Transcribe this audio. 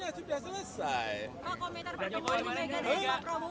apa aja pak rangkaian acaranya pak